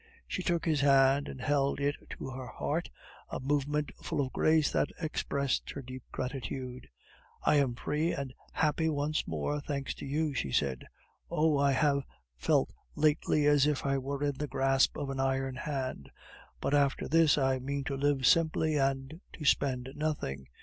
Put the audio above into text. She took his hand and held it to her heart, a movement full of grace that expressed her deep gratitude. "I am free and happy once more, thanks to you," she said. "Oh! I have felt lately as if I were in the grasp of an iron hand. But after this I mean to live simply and to spend nothing.